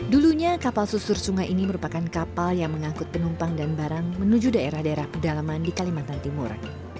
dulunya kapal susur sungai ini merupakan kapal yang mengangkut penumpang dan barang menuju daerah daerah pedalaman di kalimantan timur